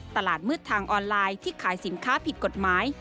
ตลาดมืดทางออนไลน์ที่ขายสินค้าผิดกฎหมาย